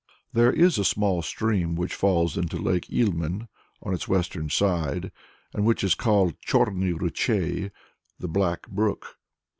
There is a small stream which falls into Lake Ilmen on its western side, and which is called Chorny Ruchei, the Black Brook.